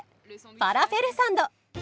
ファラフェルサンド。